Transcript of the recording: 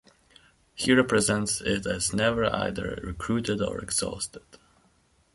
He represents it as never either recruited or exhausted.